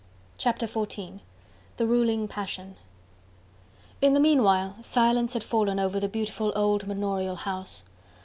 Chapter XIV: The Ruling Passion In the meanwhile silence had fallen over the beautiful old manorial house.